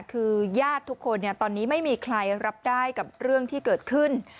คือญาติทุกคนตอนนี้ไม่มีใครรับได้กับเรื่องที่เกิดขึ้น